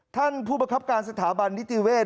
ท่านผู้ประคับการสถาบันนิติเวศ